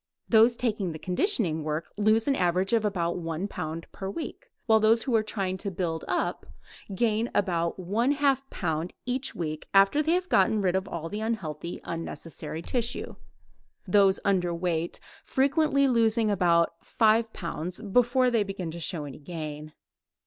Those taking the conditioning work lose an average of about one pound per week, while those who are trying to build up gain about one half pound each week after they have gotten rid of all the unhealthy unnecessary tissue, those underweight frequently losing five pounds before they begin to show any gain.